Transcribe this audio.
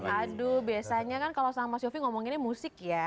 aduh biasanya kan kalau sama mas yofi ngomonginnya musik ya